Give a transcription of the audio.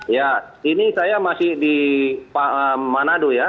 ya ini saya masih di manado ya